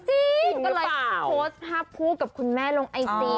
จริงก็เลยโพสต์ภาพคู่กับคุณแม่ลงไอจี